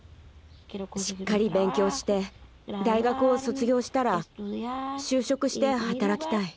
しっかり勉強して大学を卒業したら就職して働きたい。